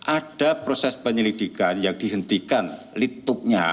ada proses penyelidikan yang dihentikan litupnya